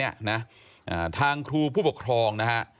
แต่ทางครูผู้ปกครองนะครับ